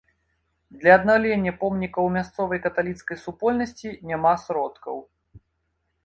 Для аднаўлення помніка ў мясцовай каталіцкай супольнасці няма сродкаў.